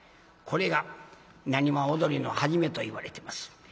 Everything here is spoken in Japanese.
これが浪花踊りの初めといわれてます。